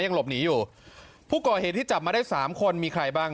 ยังหลบหนีอยู่ผู้ก่อเหตุที่จับมาได้สามคนมีใครบ้าง